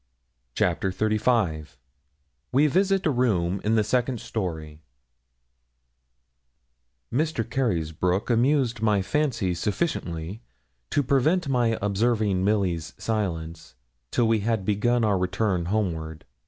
CHAPTER XXXV WE VISIT A ROOM IN THE SECOND STOREY Mr. Carysbroke amused my fancy sufficiently to prevent my observing Milly's silence, till we had begun our return homeward.